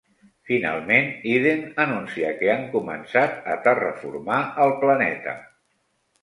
Finalment, Eden anuncia que han començat a terraformar el planeta.